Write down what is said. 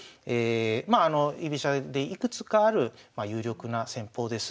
まあ居飛車でいくつかある有力な戦法です。